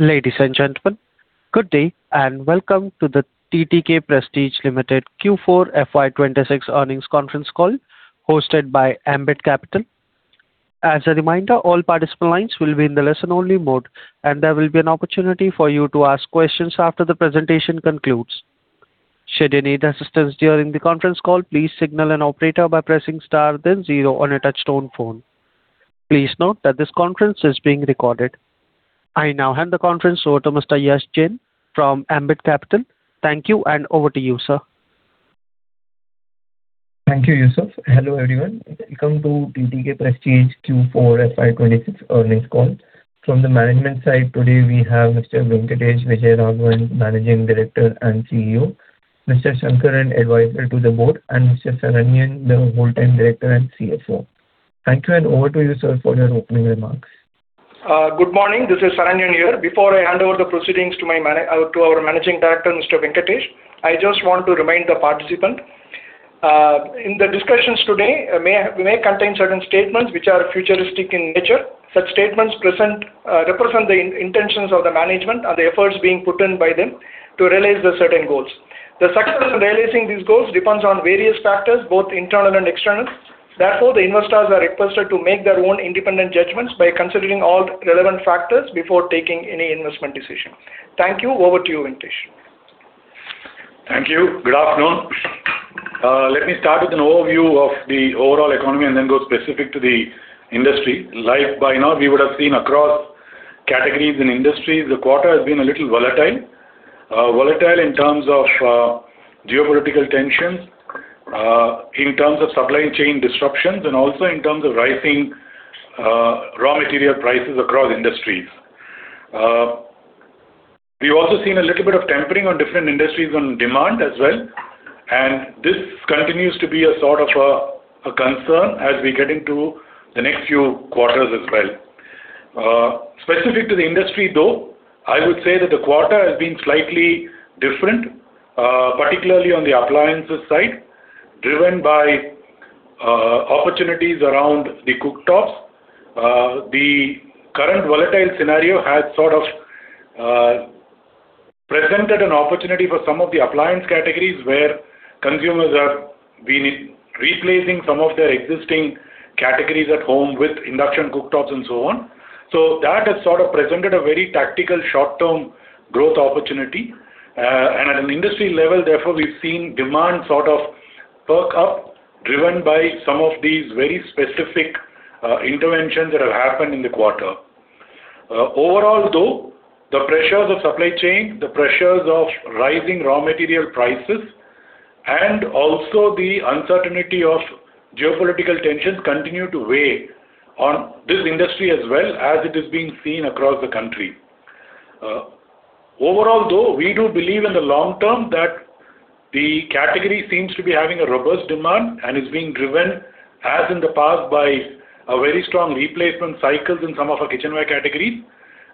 Ladies and gentlemen, good day, and welcome to the TTK Prestige Limited Q4 FY 2026 earnings conference call hosted by Ambit Capital. As a reminder, all participant lines will be in the listen-only mode, and there will be an opportunity for you to ask questions after the presentation concludes. Should you need assistance during the conference call, please signal an operator by pressing * then 0 on a touch-tone phone. Please note that this conference is being recorded. I now hand the conference over to Mr. Yash Jain from Ambit Capital. Thank you, and over to you, sir. Thank you, Yusuf. Hello, everyone. Welcome to TTK Prestige Q4 FY 2026 earnings call. From the management side today, we have Mr. Venkatesh Vijayaraghavan, Managing Director and CEO; Mr. Shankaran, Advisor to the Board; and Mr. Saranyan, the Wholetime Director and CFO. Thank you, and over to you, sir, for your opening remarks. Good morning. This is Saranyan here. Before I hand over the proceedings to our Managing Director, Mr. Venkatesh, I just want to remind the participant, in the discussions today may contain certain statements which are futuristic in nature. Such statements represent the intentions of the management and the efforts being put in by them to realize the certain goals. The success of realizing these goals depends on various factors, both internal and external. Therefore, the investors are requested to make their own independent judgments by considering all relevant factors before taking any investment decision. Thank you. Over to you, Venkatesh. Thank you. Good afternoon. Let me start with an overview of the overall economy and then go specific to the industry. By now, we would've seen across categories and industries, the quarter has been a little volatile. Volatile in terms of geopolitical tensions, in terms of supply chain disruptions, and also in terms of rising raw material prices across industries. We've also seen a little bit of tempering on different industries on demand as well, and this continues to be a sort of a concern as we get into the next few quarters as well. Specific to the industry, though, I would say that the quarter has been slightly different, particularly on the appliances side, driven by opportunities around the cooktops. The current volatile scenario has sort of presented an opportunity for some of the appliance categories where consumers have been replacing some of their existing categories at home with induction cooktops and so on. That has sort of presented a very tactical short-term growth opportunity. At an industry level, therefore, we've seen demand sort of perk up, driven by some of these very specific interventions that have happened in the quarter. Overall, though, the pressures of supply chain, the pressures of rising raw material prices, and also the uncertainty of geopolitical tensions continue to weigh on this industry as well as it is being seen across the country. Overall, though, we do believe in the long term that the category seems to be having a robust demand and is being driven, as in the past, by a very strong replacement cycles in some of our kitchenware categories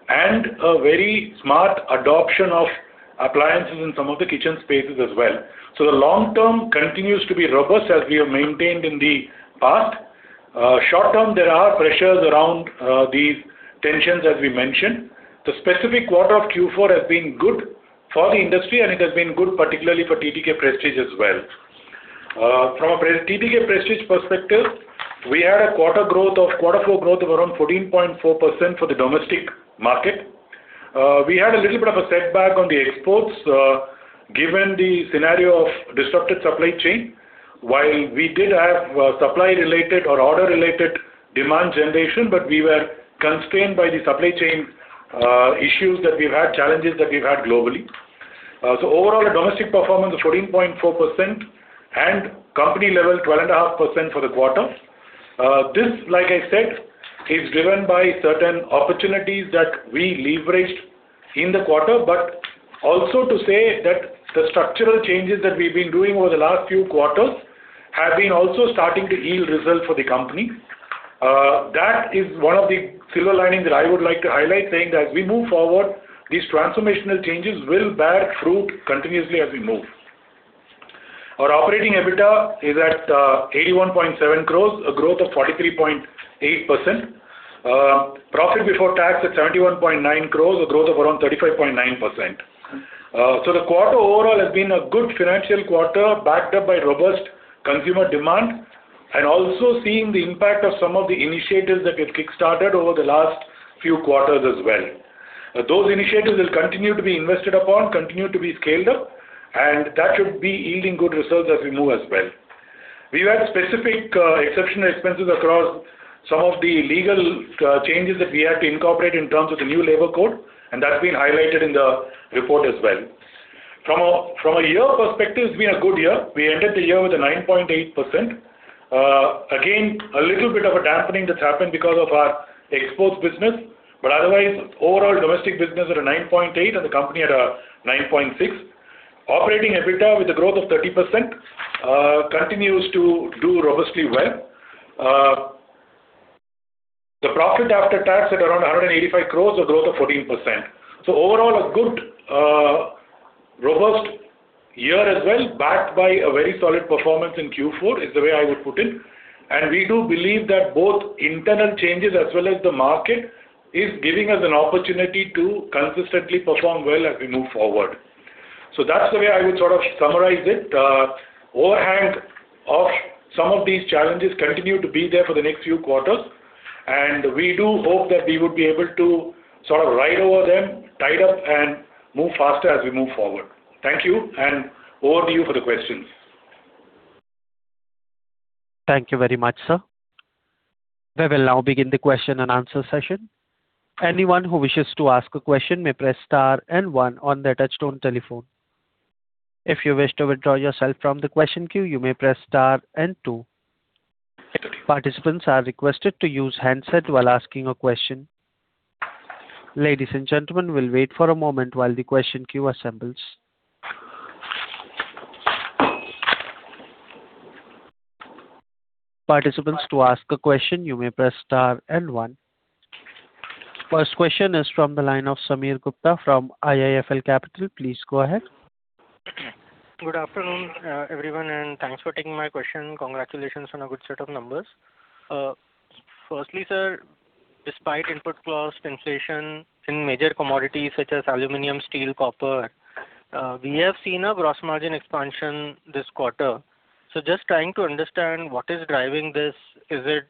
and a very smart adoption of appliances in some of the kitchen spaces as well. The long term continues to be robust as we have maintained in the past. Short term, there are pressures around these tensions as we mentioned. The specific quarter of Q4 has been good for the industry, and it has been good particularly for TTK Prestige as well. From a TTK Prestige perspective, we had a quarter growth of around 14.4% for the domestic market. We had a little bit of a setback on the exports, given the scenario of disrupted supply chain, while we did have supply-related or order-related demand generation, but we were constrained by the supply chain issues that we've had, challenges that we've had globally. Overall, a domestic performance of 14.4% and company level 12.5% for the quarter. This, like I said, is driven by certain opportunities that we leveraged in the quarter. Also to say that the structural changes that we've been doing over the last few quarters have been also starting to yield results for the company. That is one of the silver linings that I would like to highlight, saying that as we move forward, these transformational changes will bear fruit continuously as we move. Our operating EBITDA is at 81.7 crores, a growth of 43.8%. Profit before tax at 71.9 crores, a growth of around 35.9%. The quarter overall has been a good financial quarter, backed up by robust consumer demand and also seeing the impact of some of the initiatives that we've kickstarted over the last few quarters as well. Those initiatives will continue to be invested upon, continue to be scaled up, and that should be yielding good results as we move as well. We've had specific exceptional expenses across some of the legal changes that we had to incorporate in terms of the new labour codes, and that's been highlighted in the report as well. From a year perspective, it's been a good year. We ended the year with a 9.8%. Again, a little bit of a dampening that's happened because of our exports business. Otherwise, overall domestic business at a 9.8% and the company at a 9.6%. Operating EBITDA with a growth of 30% continues to do robustly well. The profit after tax at around 185 crores, a growth of 14%. Overall, a robust year as well, backed by a very solid performance in Q4, is the way I would put it. We do believe that both internal changes as well as the market is giving us an opportunity to consistently perform well as we move forward. That's the way I would sort of summarize it. Overhang of some of these challenges continue to be there for the next few quarters, and we do hope that we would be able to sort of ride over them, tide up, and move faster as we move forward. Thank you, and over to you for the questions. Thank you very much, sir. We will now begin the question and answer session. First question is from the line of Sameer Gupta from IIFL Capital. Please go ahead. Good afternoon, everyone. Thanks for taking my question. Congratulations on a good set of numbers. Firstly, sir, despite input cost inflation in major commodities such as aluminum, steel, copper, we have seen a gross margin expansion this quarter. Just trying to understand what is driving this. Is it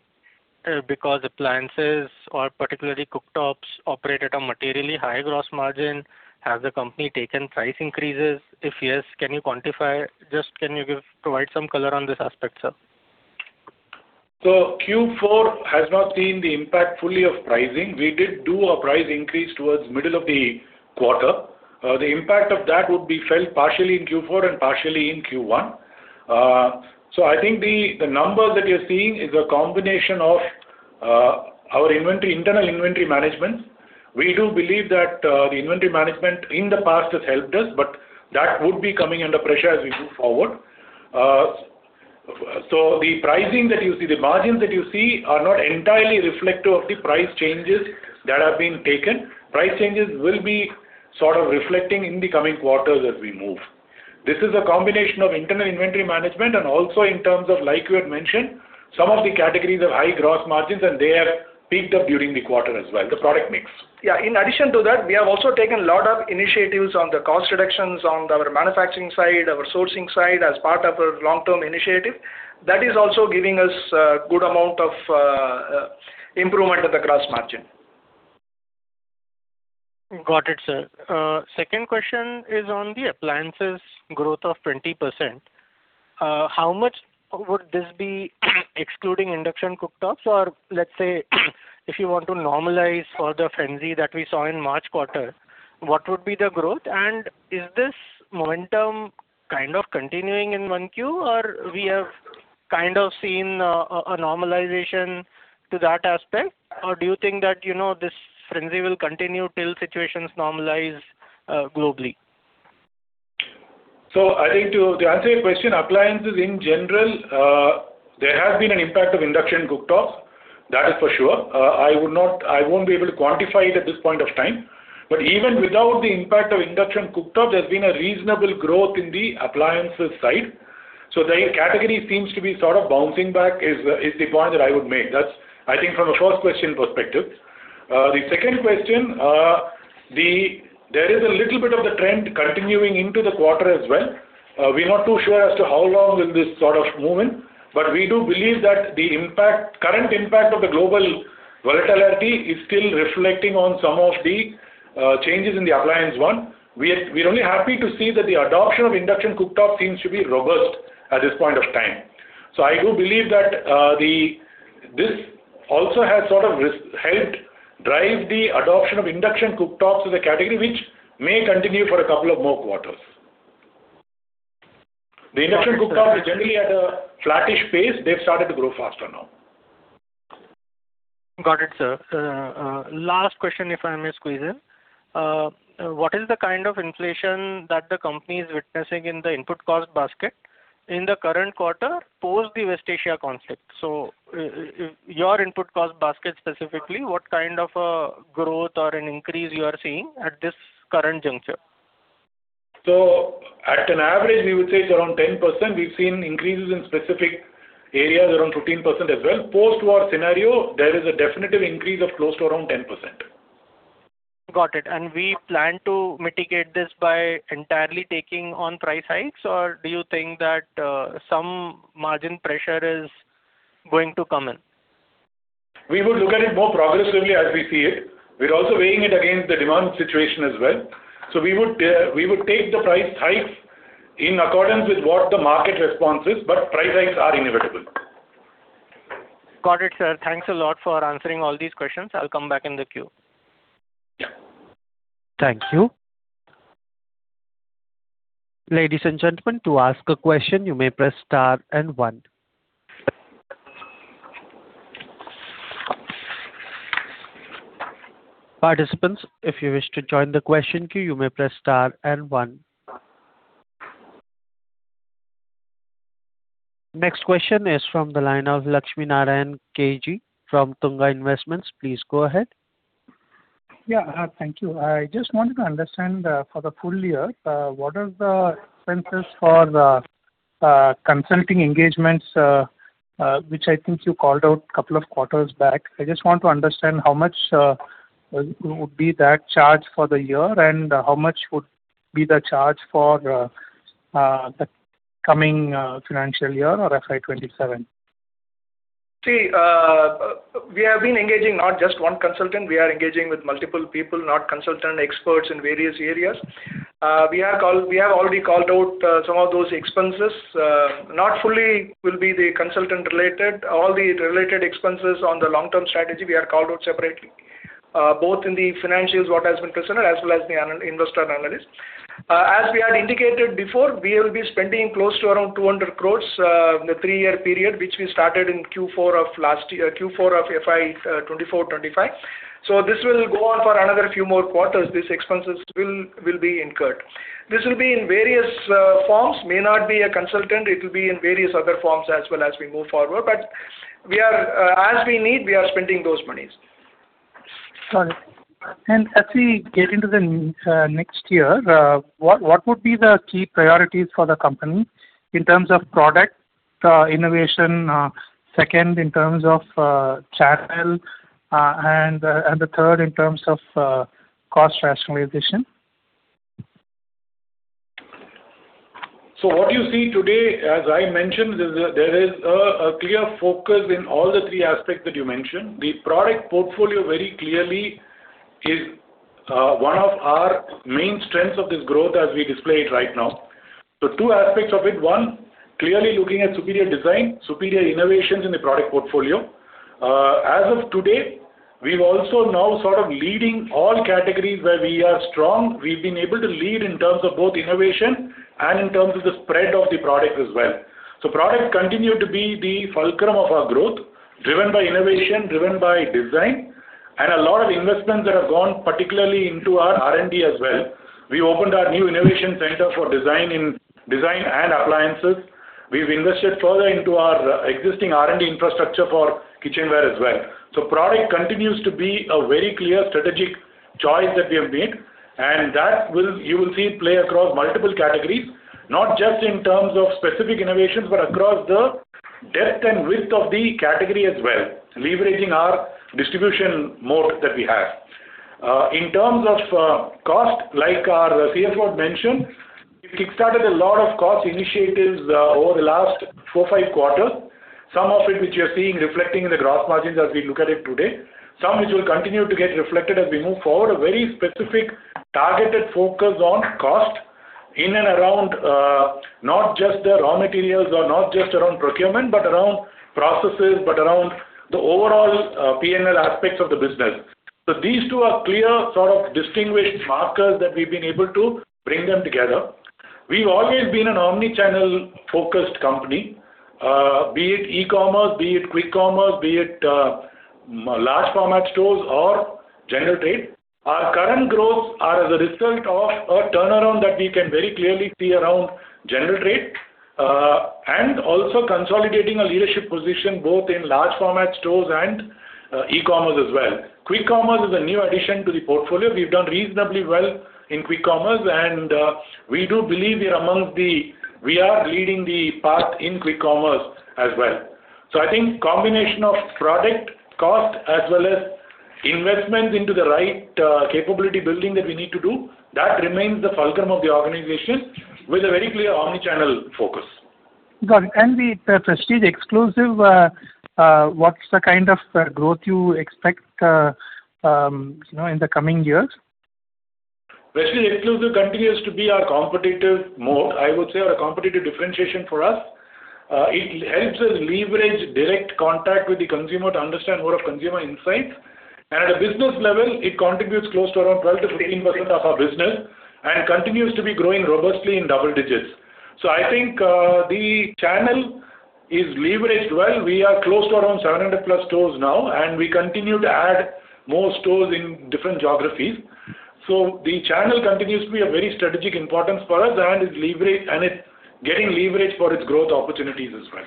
because appliances or particularly cooktops operate at a materially higher gross margin? Has the company taken price increases? If yes, can you quantify? Just can you provide some color on this aspect, sir? Q4 has not seen the impact fully of pricing. We did do a price increase towards middle of the quarter. The impact of that would be felt partially in Q4 and partially in Q1. I think the numbers that you're seeing is a combination of our internal inventory management. We do believe that the inventory management in the past has helped us, but that would be coming under pressure as we move forward. The pricing that you see, the margins that you see are not entirely reflective of the price changes that have been taken. Price changes will be sort of reflecting in the coming quarters as we move. This is a combination of internal inventory management and also in terms of, like you had mentioned, some of the categories are high gross margins, and they have peaked up during the quarter as well, the product mix. In addition to that, we have also taken a lot of initiatives on the cost reductions on our manufacturing side, our sourcing side, as part of our long-term initiative. That is also giving us a good amount of improvement at the gross margin. Got it, sir. Second question is on the appliances growth of 20%. How much would this be excluding induction cooktops? Or let's say, if you want to normalize for the frenzy that we saw in March quarter, what would be the growth? Is this momentum kind of continuing in 1Q, or we have kind of seen a normalization to that aspect? Do you think that this frenzy will continue till situations normalize globally? I think to answer your question, appliances in general, there has been an impact of induction cooktops. That is for sure. I won't be able to quantify it at this point of time. Even without the impact of induction cooktop, there's been a reasonable growth in the appliances side. The category seems to be sort of bouncing back is the point that I would make. That's I think from the first question perspective. The second question, there is a little bit of the trend continuing into the quarter as well. We're not too sure as to how long will this sort of movement, but we do believe that the current impact of the global volatility is still reflecting on some of the changes in the appliance 1. We're only happy to see that the adoption of induction cooktop seems to be robust at this point of time. I do believe that this also has sort of helped drive the adoption of induction cooktops as a category, which may continue for a couple of more quarters. The induction cooktops are generally at a flattish pace. They've started to grow faster now. Got it, sir. Last question, if I may squeeze in. What is the kind of inflation that the company is witnessing in the input cost basket in the current quarter post the West Asia conflict? Your input cost basket specifically, what kind of a growth or an increase you are seeing at this current juncture? At an average, we would say it's around 10%. We've seen increases in specific areas around 15% as well. Post-war scenario, there is a definitive increase of close to around 10%. Got it. We plan to mitigate this by entirely taking on price hikes, or do you think that some margin pressure is going to come in? We will look at it more progressively as we see it. We're also weighing it against the demand situation as well. We would take the price hikes in accordance with what the market response is, but price hikes are inevitable. Got it, sir. Thanks a lot for answering all these questions. I will come back in the queue. Yeah. Thank you. Ladies and gentlemen, to ask a question, you may press star and one. Participants, if you wish to join the question queue, you may press star and one. Next question is from the line of Lakshminarayanan K G from Tunga Investments. Please go ahead. Yeah. Thank you. I just wanted to understand for the full year, what are the expenses for the consulting engagements, which I think you called out a couple of quarters back. I just want to understand how much would be that charge for the year, and how much would be the charge for the coming financial year or FY 2027? See, we have been engaging not just one consultant, we are engaging with multiple people, not consultant experts in various areas. We have already called out some of those expenses. Not fully will be the consultant-related. All the related expenses on the long-term strategy, we have called out separately, both in the financials, what has been considered, as well as the investor analysis. As we had indicated before, we will be spending close to around 200 crore in the three year period, which we started in Q4 of FY 2024, 2025. This will go on for another few more quarters. These expenses will be incurred. This will be in various forms. May not be a consultant, it will be in various other forms as well as we move forward. As we need, we are spending those monies. Got it. As we get into the next year, what would be the key priorities for the company in terms of product innovation, second, in terms of channel, and the third, in terms of cost rationalization? What you see today, as I mentioned, there is a clear focus in all the three aspects that you mentioned. The product portfolio very clearly is one of our main strengths of this growth as we display it right now. Two aspects of it, one, clearly looking at superior design, superior innovations in the product portfolio. As of today, we're also now sort of leading all categories where we are strong. We've been able to lead in terms of both innovation and in terms of the spread of the product as well. Products continue to be the fulcrum of our growth, driven by innovation, driven by design, and a lot of investments that have gone particularly into our R&D as well. We opened our new innovation center for design and appliances. We've invested further into our existing R&D infrastructure for kitchenware as well. Product continues to be a very clear strategic choice that we have made, and that you will see play across multiple categories, not just in terms of specific innovations, but across the depth and width of the category as well, leveraging our distribution mode that we have. In terms of cost, like our CFO had mentioned, we kickstarted a lot of cost initiatives over the last four, five quarters. Some of it, which you're seeing reflecting in the gross margins as we look at it today, some which will continue to get reflected as we move forward. A very specific targeted focus on cost in and around, not just the raw materials or not just around procurement, but around processes, but around the overall P&L aspects of the business. These two are clear sort of distinguished markers that we've been able to bring them together. We've always been an omni-channel-focused company. Be it e-commerce, be it quick commerce, be it large format stores or general trade. Our current growth are as a result of a turnaround that we can very clearly see around general trade, and also consolidating a leadership position both in large format stores and e-commerce as well. Quick commerce is a new addition to the portfolio. We've done reasonably well in quick commerce, and we do believe we are leading the path in quick commerce as well. I think combination of product cost as well as investment into the right capability building that we need to do, that remains the fulcrum of the organization with a very clear omni-channel focus. Got it. The Prestige Xclusive, what's the kind of growth you expect in the coming years? Prestige Xclusive continues to be our competitive mode, I would say, our competitive differentiation for us. It helps us leverage direct contact with the consumer to understand more of consumer insights. At a business level, it contributes close to around 12%-15% of our business and continues to be growing robustly in double digits. I think, the channel is leveraged well. We are close to around 700+ stores now, and we continue to add more stores in different geographies. The channel continues to be of very strategic importance for us, and it's getting leverage for its growth opportunities as well.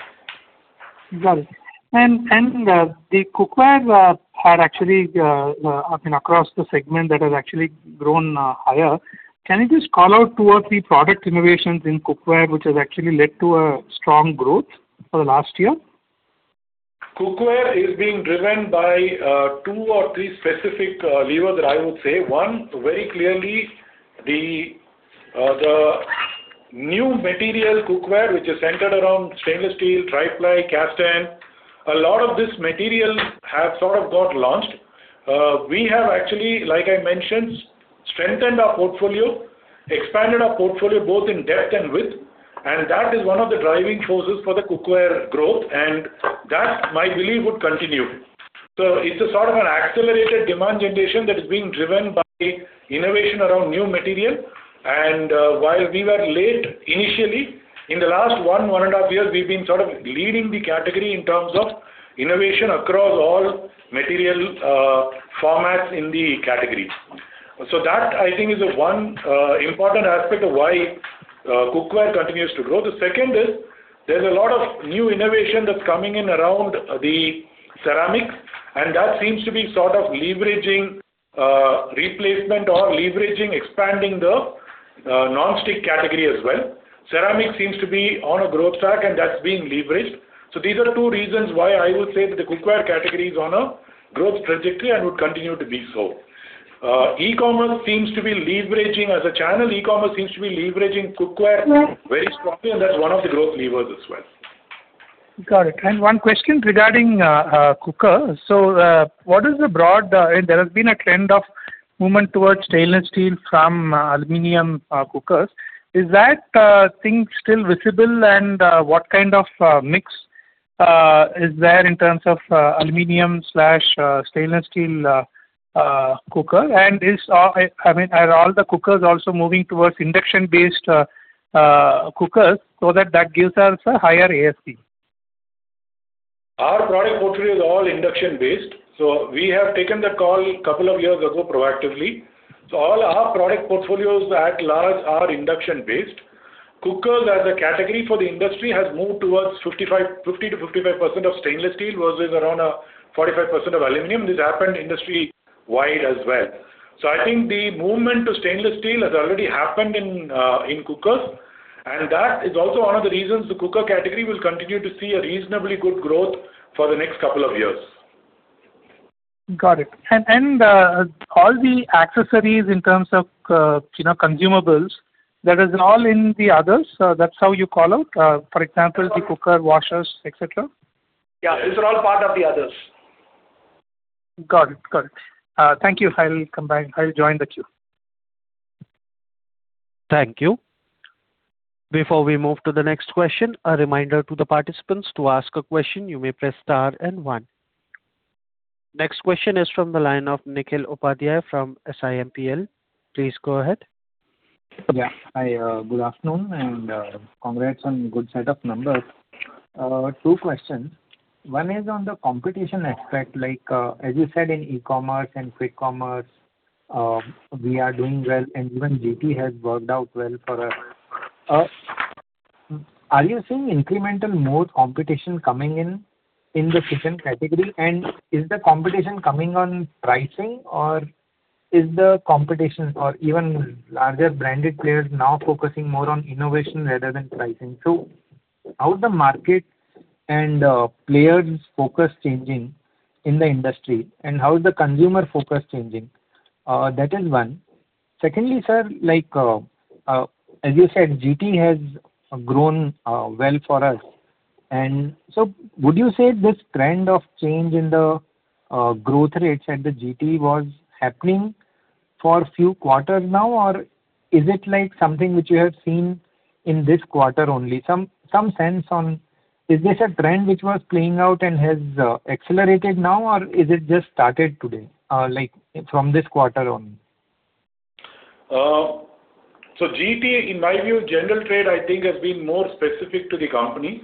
Got it. The cookware had actually, across the segment, that has actually grown higher. Can you just call out two or three product innovations in cookware which has actually led to a strong growth for the last year? Cookware is being driven by two or three specific levers that I would say. One, very clearly, the new material cookware, which is centered around stainless steel, tri-ply, cast iron. A lot of this material have sort of got launched. We have actually, like I mentioned, strengthened our portfolio, expanded our portfolio both in depth and width. That is one of the driving forces for the cookware growth. That might believe would continue. It's a sort of an accelerated demand generation that is being driven by innovation around new material. While we were late initially, in the last 1.5 years, we've been sort of leading the category in terms of innovation across all material formats in the categories. That I think is one important aspect of why cookware continues to grow. The second is, there's a lot of new innovation that's coming in around the ceramics, and that seems to be sort of leveraging replacement or leveraging expanding the non-stick category as well. Ceramic seems to be on a growth track, and that's being leveraged. These are two reasons why I would say that the cookware category is on a growth trajectory and would continue to be so. As a channel, e-commerce seems to be leveraging cookware very strongly, and that's one of the growth levers as well. Got it. One question regarding cooker. There has been a trend of movement towards stainless steel from aluminum cookers. Is that thing still visible? What kind of mix is there in terms of aluminum/stainless steel cooker? Are all the cookers also moving towards induction-based cookers so that gives us a higher ASP? Our product portfolio is all induction-based. We have taken the call a couple of years ago proactively. All our product portfolios at large are induction-based. Cookers as a category for the industry has moved towards 50%-55% of stainless steel versus around a 45% of aluminum. This happened industry-wide as well. I think the movement to stainless steel has already happened in cookers, and that is also one of the reasons the cooker category will continue to see a reasonably good growth for the next couple of years. Got it. All the accessories in terms of consumables, that is all in the others, that's how you call out, for example, the cooker washers, et cetera? Yeah, these are all part of the others. Got it. Thank you. I'll join the queue. Thank you. Before we move to the next question, a reminder to the participants, to ask a question you may press star and 1. Next question is from the line of Nikhil Upadhyay from SIMPL. Please go ahead. Yeah. Good afternoon, and congrats on good set of numbers. Two questions. One is on the competition aspect, like as you said in e-commerce and quick commerce, we are doing well and even GT has worked out well for us. Are you seeing incremental more competition coming in the kitchen category? Is the competition coming on pricing or is the competition or even larger branded players now focusing more on innovation rather than pricing? How's the market and players' focus changing in the industry, and how is the consumer focus changing? That is one. Secondly, sir, like as you said, GT has grown well for us. Would you say this trend of change in the growth rates at the GT was happening for a few quarters now or is it like something which you have seen in this quarter only? Some sense on, is this a trend which was playing out and has accelerated now or is it just started today, like from this quarter only? GT, in my view, general trade, I think has been more specific to the company.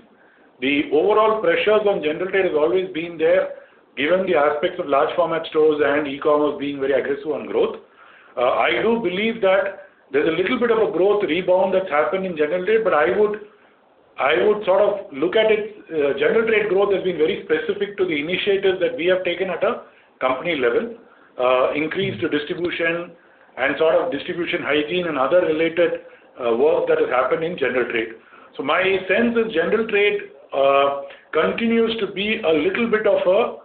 The overall pressures on general trade has always been there, given the aspects of large format stores and e-commerce being very aggressive on growth. I do believe that there's a little bit of a growth rebound that's happened in general trade, but I would sort of look at it, general trade growth has been very specific to the initiatives that we have taken at a company level. Increase to distribution and sort of distribution hygiene and other related work that has happened in general trade. My sense is general trade continues to be a little bit of a,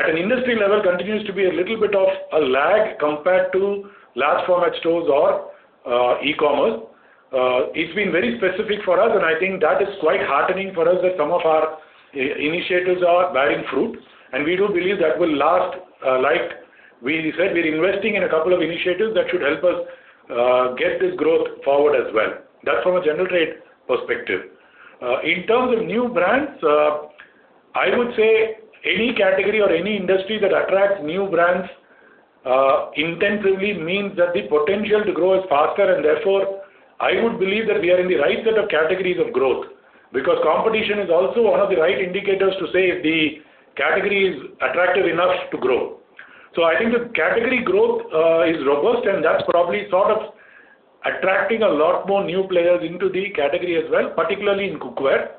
at an industry level, continues to be a little bit of a lag compared to large format stores or e-commerce. It's been very specific for us, and I think that is quite heartening for us that some of our initiatives are bearing fruit, and we do believe that will last. Like we said, we're investing in a couple of initiatives that should help us get this growth forward as well. That's from a general trade perspective. In terms of new brands, I would say any category or any industry that attracts new brands intensively means that the potential to grow is faster and therefore, I would believe that we are in the right set of categories of growth. Competition is also one of the right indicators to say if the category is attractive enough to grow. I think the category growth is robust, and that's probably sort of attracting a lot more new players into the category as well, particularly in cookware.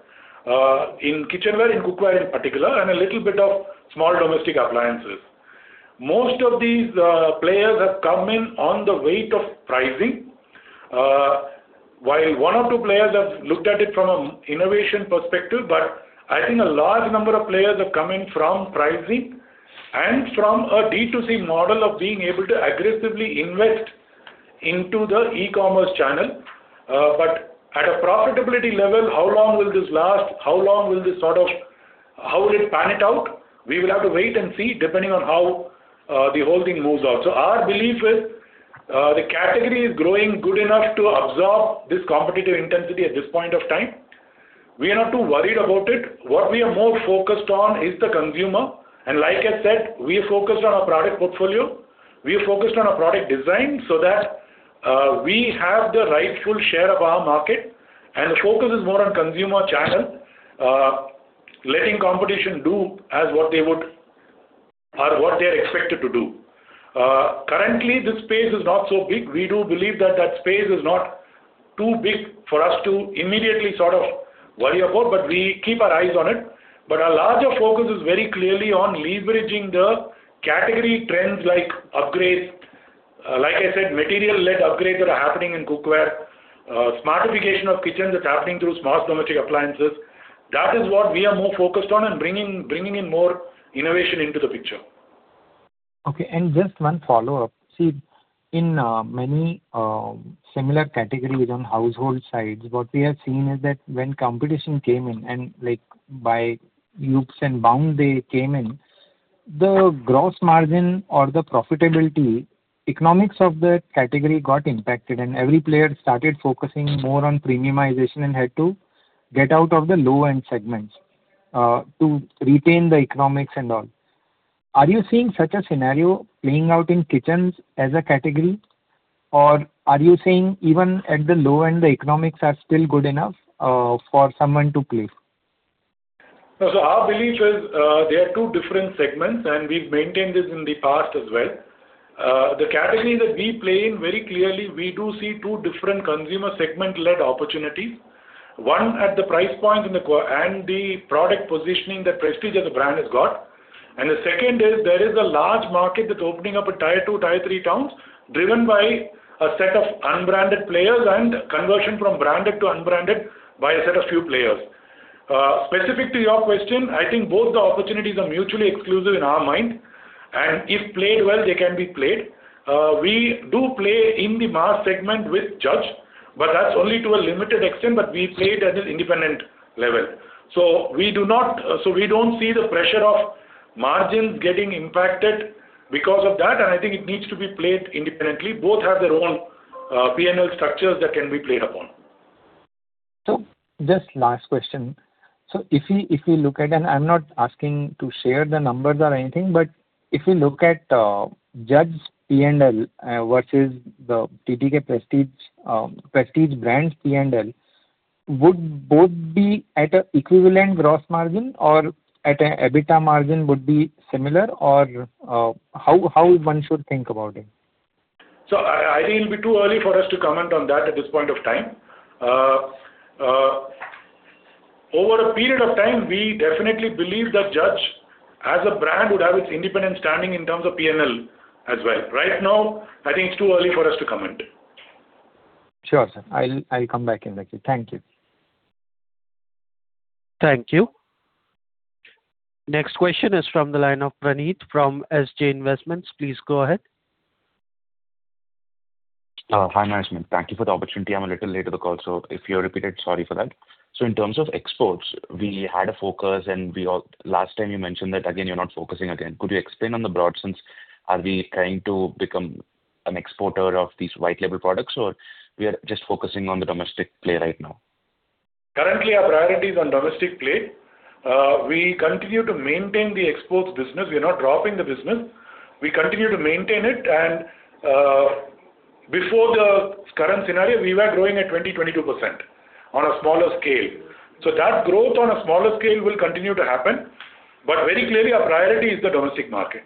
In kitchenware, in cookware in particular, and a little bit of small domestic appliances. Most of these players have come in on the weight of pricing. While one or two players have looked at it from an innovation perspective, but I think a large number of players have come in from pricing and from a D2C model of being able to aggressively invest into the e-commerce channel. At a profitability level, how long will this last? How will it pan it out? We will have to wait and see, depending on how the whole thing moves out. Our belief is, the category is growing good enough to absorb this competitive intensity at this point of time. We are not too worried about it. What we are more focused on is the consumer. Like I said, we are focused on our product portfolio, we are focused on our product design, so that we have the rightful share of our market. The focus is more on consumer channel-Letting competition do as what they are expected to do. Currently, this space is not so big. We do believe that that space is not too big for us to immediately worry about, but we keep our eyes on it. Our larger focus is very clearly on leveraging the category trends like upgrades, like I said, material-led upgrades that are happening in cookware, smartification of kitchens that's happening through smart domestic appliances. That is what we are more focused on and bringing in more innovation into the picture. Okay. Just one follow-up. See, in many similar categories on household sides, what we have seen is that when competition came in, and by leaps and bounds they came in, the gross margin or the profitability economics of the category got impacted, and every player started focusing more on premiumization and had to get out of the low-end segments to retain the economics and all. Are you seeing such a scenario playing out in kitchens as a category? Are you saying even at the low end, the economics are still good enough for someone to play? Our belief is they are two different segments, and we've maintained this in the past as well. The category that we play in, very clearly, we do see two different consumer segment-led opportunities. One, at the price point and the product positioning that Prestige as a brand has got. The second is there is a large market that's opening up at tier 2, tier 3 towns, driven by a set of unbranded players and conversion from branded to unbranded by a set of few players. Specific to your question, I think both the opportunities are mutually exclusive in our mind, and if played well, they can be played. We do play in the mass segment with Judge, but that's only to a limited extent, but we play it at this independent level. We don't see the pressure of margins getting impacted because of that, and I think it needs to be played independently. Both have their own P&L structures that can be played upon. Just last question. If we look at, and I am not asking to share the numbers or anything, but if we look at Judge P&L versus the TTK Prestige brand's P&L, would both be at an equivalent gross margin or at an EBITDA margin would be similar? Or how one should think about it? I think it'll be too early for us to comment on that at this point of time. Over a period of time, we definitely believe that Judge, as a brand, would have its independent standing in terms of P&L as well. Right now, I think it's too early for us to comment. Sure, sir. I'll come back in that case. Thank you. Thank you. Next question is from the line of Praneeth from SJ Investments. Please go ahead. Hi, management. Thank you for the opportunity. I'm a little late to the call, so if you have repeated, sorry for that. In terms of exports, we had a focus and last time you mentioned that again, you're not focusing again. Could you explain on the broad sense, are we trying to become an exporter of these white label products, or we are just focusing on the domestic play right now? Currently, our priority is on domestic play. We continue to maintain the exports business. We're not dropping the business. We continue to maintain it, and before the current scenario, we were growing at 20, 22% on a smaller scale. That growth on a smaller scale will continue to happen. Very clearly, our priority is the domestic market.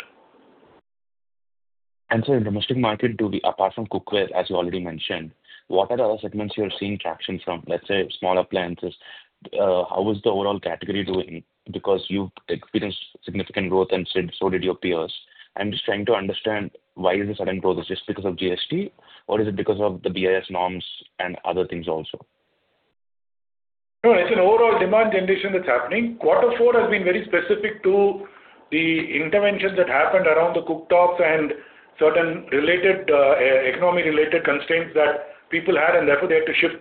In domestic market too, apart from cookware, as you already mentioned, what are the other segments you are seeing traction from? Let's say small appliances. How is the overall category doing? Because you've experienced significant growth and so did your peers. I'm just trying to understand why is the sudden growth. Is it just because of GST, or is it because of the BIS norms and other things also? No, it's an overall demand condition that's happening. Quarter four has been very specific to the interventions that happened around the cooktops and certain economy-related constraints that people had, and therefore, they had to shift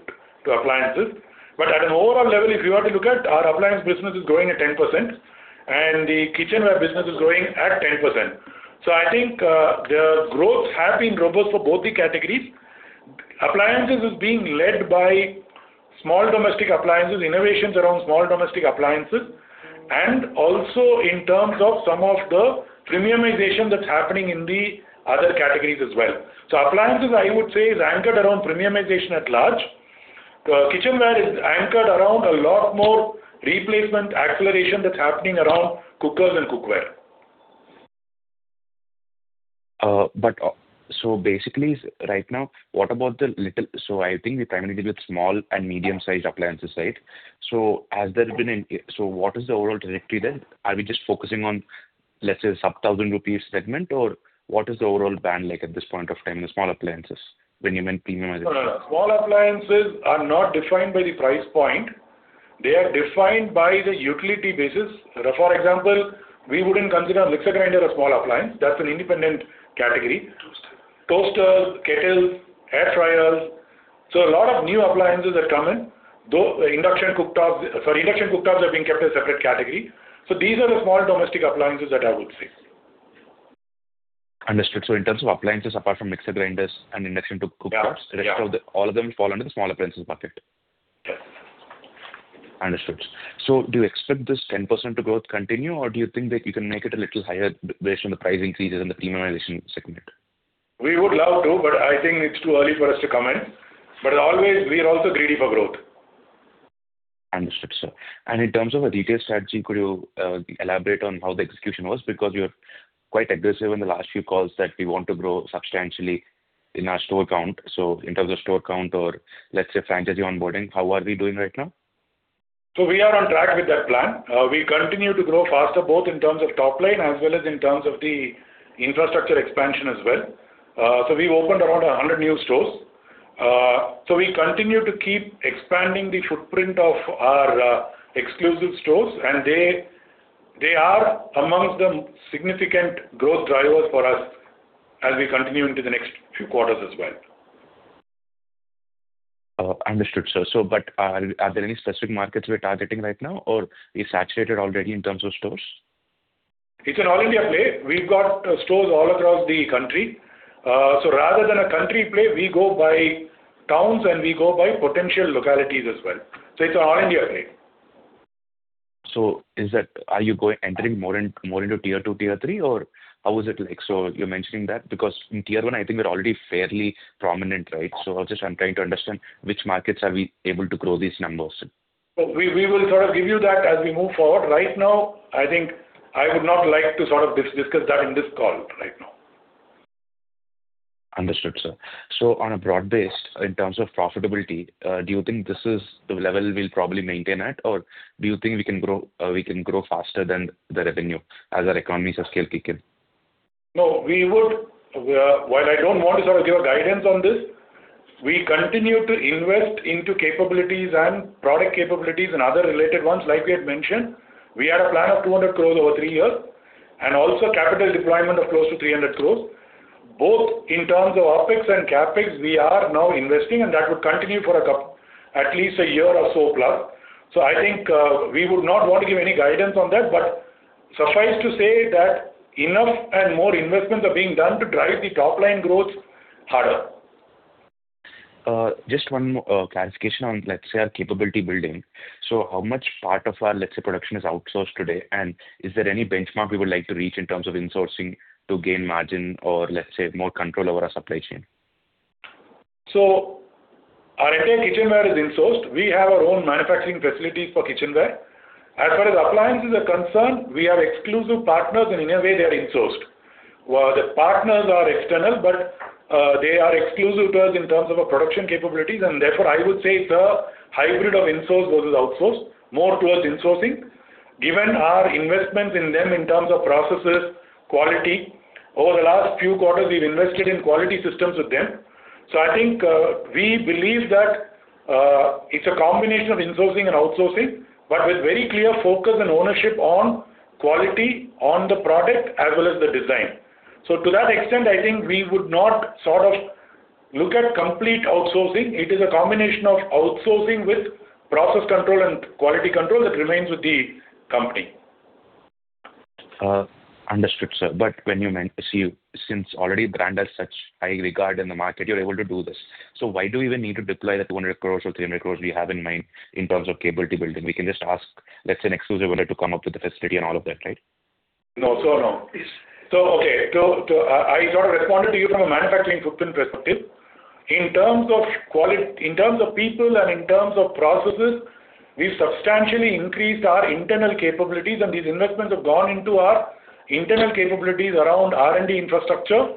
to appliances. But at an overall level, if you were to look at, our appliance business is growing at 10%, and the kitchenware business is growing at 10%. I think the growth has been robust for both the categories. Appliances is being led by small domestic appliances, innovations around small domestic appliances, and also in terms of some of the premiumization that's happening in the other categories as well. Appliances, I would say, is anchored around premiumization at large. Kitchenware is anchored around a lot more replacement acceleration that's happening around cookers and cookware. Basically, right now, I think we're primarily dealing with small and medium-sized appliances, right? What is the overall trajectory then? Are we just focusing on, let's say, sub 1,000 rupees segment, or what is the overall band like at this point of time in the small appliances when you mean premiumization? No. Small appliances are not defined by the price point. They are defined by the utility basis. For example, we wouldn't consider mixer grinder a small appliance. That's an independent category. Toaster. Toasters, kettles, hair dryers. A lot of new appliances that come in. Induction cooktops are being kept a separate category. These are the small domestic appliances that I would say. Understood. In terms of appliances, apart from mixer grinders and induction cooktops. Yeah. all of them fall under the small appliances bucket. Yes. Understood. Do you expect this 10% growth to continue, or do you think that you can make it a little higher based on the price increases in the premiumization segment? We would love to, but I think it's too early for us to comment. Always, we are also greedy for growth. Understood, sir. In terms of a retail strategy, could you elaborate on how the execution was? You were quite aggressive in the last few calls that we want to grow substantially in our store count. In terms of store count or let's say franchisee onboarding, how are we doing right now? We are on track with that plan. We continue to grow faster, both in terms of top line as well as in terms of the infrastructure expansion as well. We've opened around 100 new stores. We continue to keep expanding the footprint of our exclusive stores, and they are amongst the significant growth drivers for us as we continue into the next few quarters as well. Understood, sir. Are there any specific markets we're targeting right now, or we're saturated already in terms of stores? It's an all-India play. We've got stores all across the country. Rather than a country play, we go by towns, and we go by potential localities as well. It's an all-India play. Are you entering more into tier 2, tier 3, or how is it like? You're mentioning that because in tier 1, I think we're already fairly prominent, right? I'm trying to understand which markets are we able to grow these numbers in. We will sort of give you that as we move forward. Right now, I think I would not like to discuss that in this call right now. Understood, sir. On a broad base, in terms of profitability, do you think this is the level we'll probably maintain at, or do you think we can grow faster than the revenue as our economies of scale kick in? No, while I don't want to sort of give a guidance on this, we continue to invest into capabilities and product capabilities and other related ones like we had mentioned. We had a plan of 200 crores over three years, and also capital deployment of close to 300 crores. Both in terms of OpEx and CapEx, we are now investing, and that would continue for at least a year or so plus. I think we would not want to give any guidance on that, but suffice to say that enough and more investments are being done to drive the top-line growth harder. One more clarification on, let's say, our capability building. How much part of our, let's say, production is outsourced today, and is there any benchmark we would like to reach in terms of insourcing to gain margin or, let's say, more control over our supply chain? Our entire kitchenware is insourced. We have our own manufacturing facilities for kitchenware. As far as appliances are concerned, we are exclusive partners and in a way they are insourced. The partners are external, but they are exclusive to us in terms of our production capabilities, and therefore I would say it's a hybrid of insourced versus outsourced, more towards insourcing. Given our investments in them in terms of processes, quality, over the last few quarters, we've invested in quality systems with them. I think we believe that it's a combination of insourcing and outsourcing, but with very clear focus and ownership on quality, on the product as well as the design. To that extent, I think we would not look at complete outsourcing. It is a combination of outsourcing with process control and quality control that remains with the company. Understood, sir. Since already the brand has such high regard in the market, you're able to do this. Why do we even need to deploy that 200 crores or 300 crores we have in mind in terms of capability building? We can just ask, let's say, an exclusive owner to come up with the facility and all of that, right? No. Okay. I sort of responded to you from a manufacturing footprint perspective. In terms of people and in terms of processes, we've substantially increased our internal capabilities, and these investments have gone into our internal capabilities around R&D infrastructure,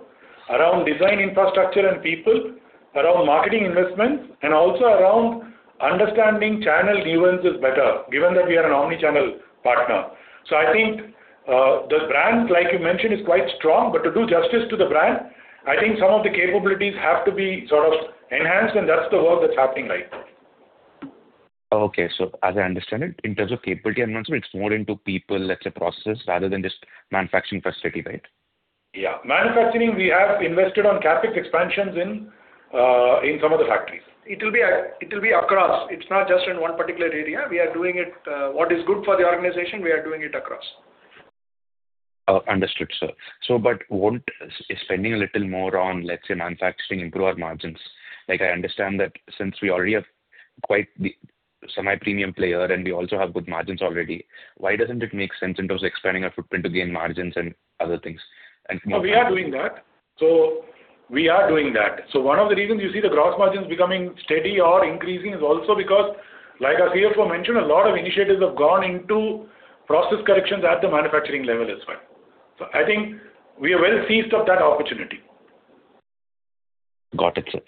around design infrastructure and people, around marketing investments, and also around understanding channel nuances better, given that we are an omni-channel partner. I think the brand, like you mentioned, is quite strong. To do justice to the brand, I think some of the capabilities have to be sort of enhanced, and that's the work that's happening right now. Okay. As I understand it, in terms of capability enhancement, it's more into people, let's say, process rather than just manufacturing facility, right? Yeah. Manufacturing, we have invested on CapEx expansions in some of the factories. It will be across. It's not just in one particular area. What is good for the organization, we are doing it across. Understood, sir. Won't spending a little more on, let's say, manufacturing improve our margins? I understand that since we already are quite the semi-premium player and we also have good margins already, why doesn't it make sense in terms of expanding our footprint to gain margins and other things? We are doing that. One of the reasons you see the gross margins becoming steady or increasing is also because, like our CFO mentioned, a lot of initiatives have gone into process corrections at the manufacturing level as well. I think we are well seized of that opportunity. Got it, sir.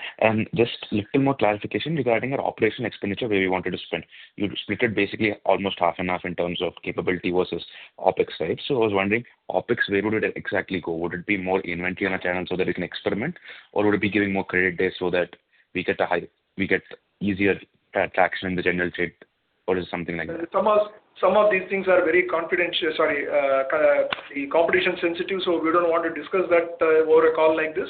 Just little more clarification regarding our operational expenditure, where we wanted to spend. You split it basically almost half and half in terms of capability versus OpEx, right? I was wondering, OpEx, where would it exactly go? Would it be more inventory on a channel so that we can experiment, or would it be giving more credit days so that we get easier traction in the general trade or something like that? Some of these things are very competition sensitive. We don't want to discuss that over a call like this.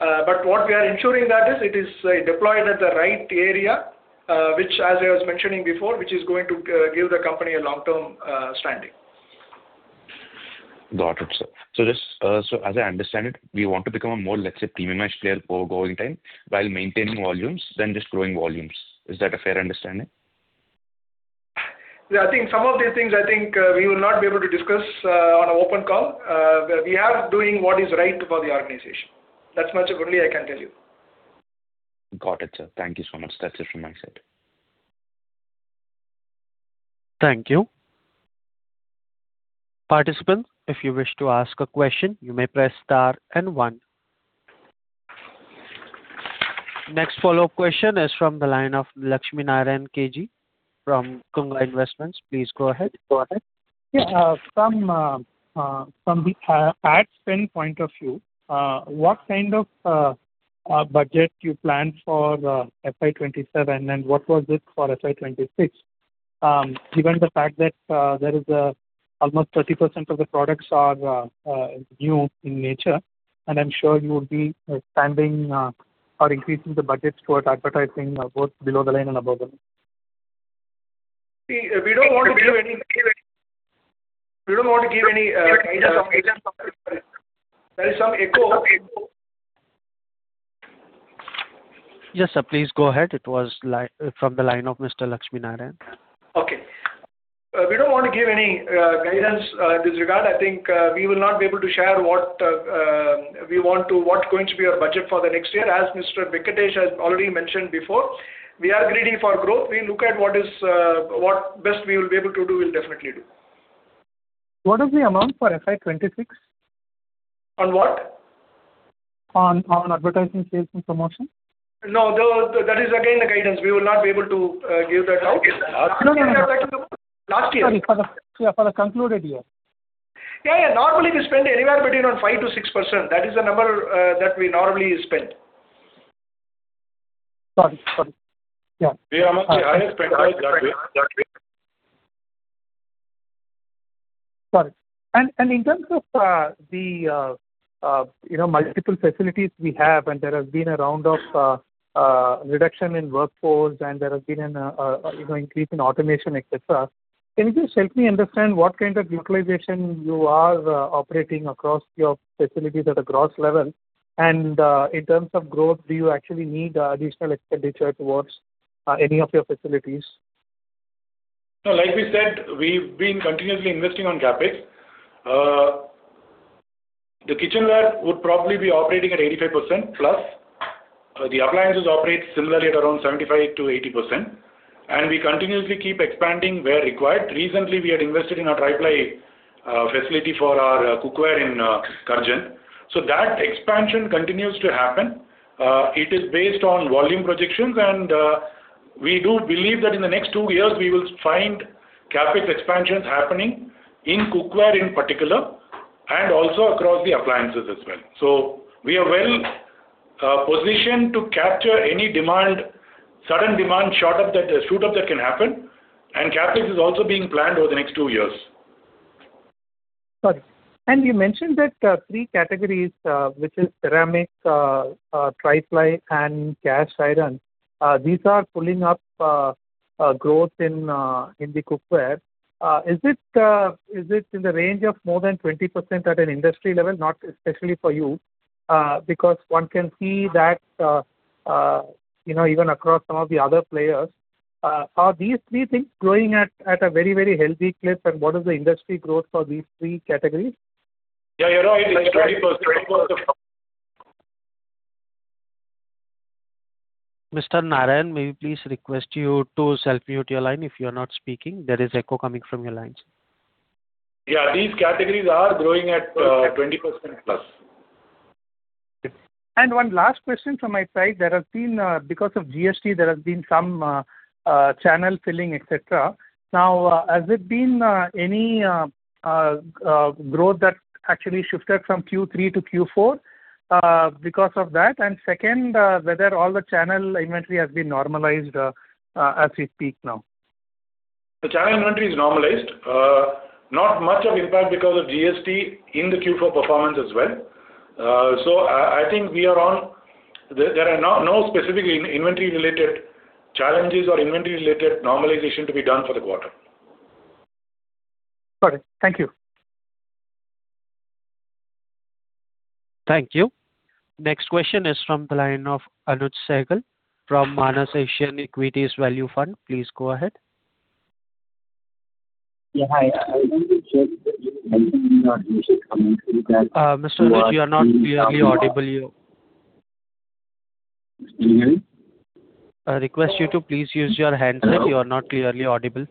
What we are ensuring that is it is deployed at the right area, which as I was mentioning before, which is going to give the company a long-term standing. Got it, sir. As I understand it, we want to become a more, let's say, premiumized player over going time while maintaining volumes than just growing volumes. Is that a fair understanding? I think some of these things we will not be able to discuss on an open call. We are doing what is right for the organization. That's much only I can tell you. Got it, sir. Thank you so much. That's it from my side. Thank you. Participants, if you wish to ask a question, you may press star and one. Next follow-up question is from the line of Lakshminarayanan K G from Tunga Investments. Please go ahead. Yeah. From the ad spend point of view, what kind of budget you planned for FY 2027, and what was it for FY 2026? Given the fact that almost 30% of the products are new in nature, I'm sure you would be expanding or increasing the budget towards advertising both below the line and above the line. We don't want to give any guidance on. There is some echo. Yes, sir, please go ahead. It was from the line of Mr. Lakshminarayanan. We don't want to give any guidance in this regard. I think we will not be able to share what's going to be our budget for the next year. As Venkatesh Vijayaraghavan has already mentioned before, we are greedy for growth. We look at what best we will be able to do, we'll definitely do. What is the amount for FY 2026? On what? On advertising, sales, and promotion. No, that is again the guidance. We will not be able to give that out. No, no. We have given that last year. Sorry. For the concluded year. Yeah. Normally, we spend anywhere between 5%-6%. That is the number that we normally spend. Sorry. Yeah. The amount we have spent was that way. Sorry. In terms of the multiple facilities we have, there has been a round of reduction in workforce, and there has been an increase in automation, et cetera. Can you just help me understand what kind of utilization you are operating across your facilities at a gross level? In terms of growth, do you actually need additional expenditure towards any of your facilities? No, like we said, we've been continuously investing on CapEx. The kitchenware would probably be operating at 85%+. The appliances operate similarly at around 75%-80%. We continuously keep expanding where required. Recently, we had invested in a tri-ply facility for our cookware in Karjan. That expansion continues to happen. It is based on volume projections, and we do believe that in the next two years, we will find CapEx expansions happening in cookware in particular, and also across the appliances as well. We are well-positioned to capture any sudden demand shoot up that can happen, and CapEx is also being planned over the next two years. Got it. You mentioned that three categories, which is ceramic, tri-ply, and cast iron, these are pulling up growth in the cookware. Is it in the range of more than 20% at an industry level, not especially for you? One can see that even across some of the other players. Are these three things growing at a very healthy clip, and what is the industry growth for these three categories? Yeah, you're right. It's 20%+. Mr. Narayan, may we please request you to self-mute your line if you are not speaking. There is echo coming from your line, sir. Yeah, these categories are growing at 20%+. One last question from my side. Because of GST, there has been some channel filling, et cetera. Now, has it been any growth that actually shifted from Q3 to Q4 because of that? Second, whether all the channel inventory has been normalized as we speak now? The channel inventory is normalized. Not much of impact because of GST in the Q4 performance as well. I think there are no specific inventory-related challenges or inventory-related normalization to be done for the quarter. Got it. Thank you. Thank you. Next question is from the line of Anuj Sehgal from Manas Asian Equities Value Fund. Please go ahead. Yeah, hi. I wanted to check. Mr. Anuj, you are not clearly audible. Pardon? I request you to please use your handset. You are not clearly audible.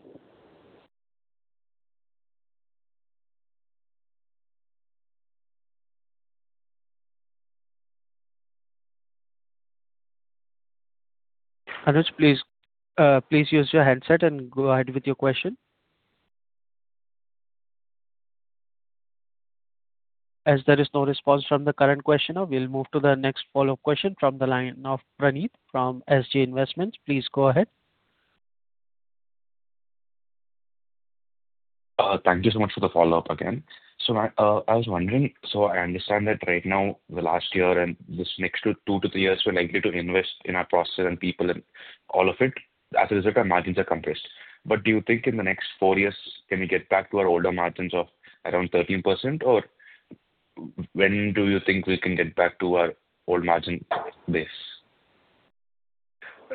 Anuj, please use your handset and go ahead with your question. As there is no response from the current questioner, we will move to the next follow-up question from the line of Praneeth from SJ Investments. Please go ahead. Thank you so much for the follow-up again. I was wondering, I understand that right now, the last year and this next two to three years, we're likely to invest in our process and people and all of it. As a result, our margins are compressed. Do you think in the next four years, can we get back to our older margins of around 13%? When do you think we can get back to our old margin base?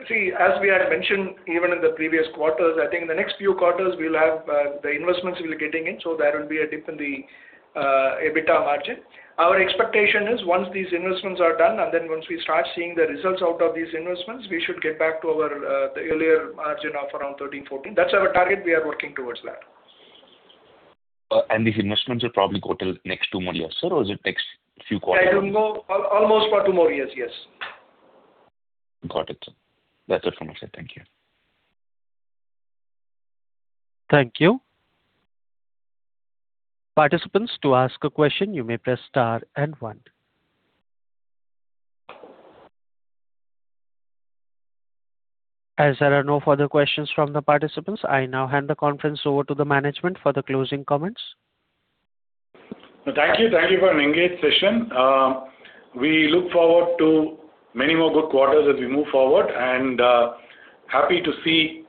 See, as we had mentioned, even in the previous quarters, I think in the next few quarters, the investments we'll be getting in, so there will be a dip in the EBITDA margin. Our expectation is once these investments are done, and then once we start seeing the results out of these investments, we should get back to the earlier margin of around 13%, 14%. That's our target. We are working towards that. These investments will probably go till next two more years, sir, or is it next few quarters? I don't know. Almost for two more years, yes. Got it, sir. That's it from my side. Thank you. Thank you. As there are no further questions from the participants, I now hand the conference over to the management for the closing comments. Thank you. Thank you for an engaged session. We look forward to many more good quarters as we move forward, and happy to see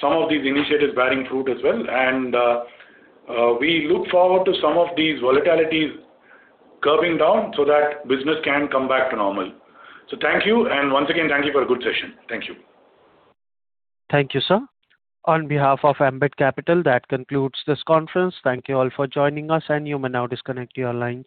some of these initiatives bearing fruit as well. We look forward to some of these volatilities curbing down so that business can come back to normal. Thank you, and once again, thank you for a good session. Thank you. Thank you, sir. On behalf of Ambit Capital, that concludes this conference. Thank you all for joining us. You may now disconnect your lines.